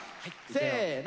せの。